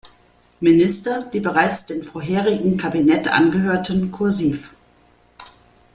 Minister, die bereits dem vorherigen Kabinett angehörten, kursiv.